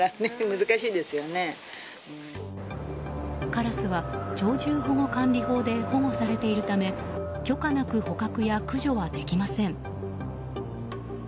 カラスは鳥獣保護管理法で保護されているため許可なく捕獲や駆除はできません。